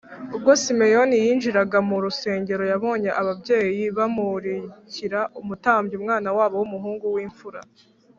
Ubwo Simeyoni yinjiraga mu rusengero, yabonye ababyeyi bamurikira umutambyi umwana wabo w’umuhungu w’imfura